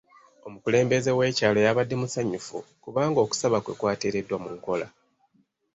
Omukulembeze w'ekyalo yabadde musanyufu kubanga okusaba kwe kwateereddwa mu nkola.